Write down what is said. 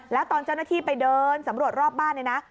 แล้วตอนเจ้าหน้าที่ไปเดินสำรวจรอบบ้านเนี่ยนะ